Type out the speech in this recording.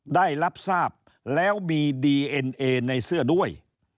ได้รับทราบแล้วมีดีเอ็นเอในเสื้อด้วย